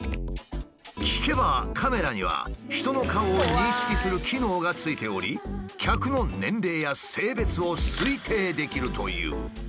聞けばカメラには人の顔を認識する機能が付いており客の年齢や性別を推定できるという。